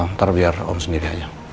ntar biar om sendiri aja